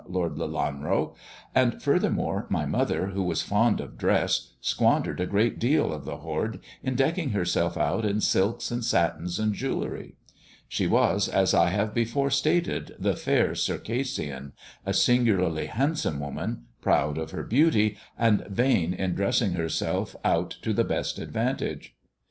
Lord Lelanro ; and furthermore, my mother, who was fond of dress, squandered a great deal of the hoard in decking herself out in silks and satins and jewellery. She was, as I have before stated, the Fair Circassian, a singularly handsome woman, proud of her beauty, and vain in dressing herself out to the best advantage."